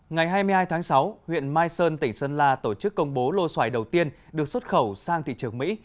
ngày hai mươi hai tháng sáu huyện mai sơn tỉnh sơn la tổ chức công bố lô xoài đầu tiên được xuất khẩu sang thị trường mỹ